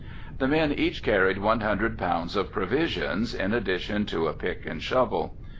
The men each carried one hundred pounds of provisions in addition to a pick and shovel.